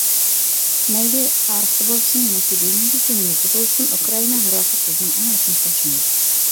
مەيلى تارىختا بولسۇن ياكى بۈگۈنكى كۈنىمىزدە بولسۇن، ئۇكرائىنا ھەر ۋاقىت بىزنىڭ ئەڭ يېقىن قوشنىمىز.